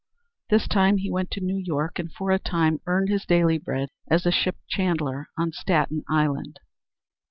This time he went to New York, and for a time earned his daily bread as a ship chandler on Staten Island.